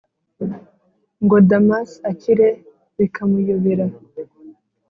ngo damas akire bikamuyobera,